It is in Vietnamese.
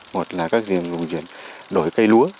một là các vùng chuyển đổi cây lúa